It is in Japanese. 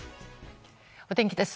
お天気です。